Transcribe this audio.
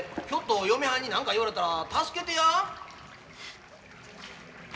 ひょっと嫁はんに何か言われたら助けてや。